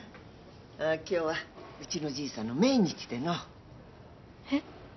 今日はうちのじいさんの命日でなえっ？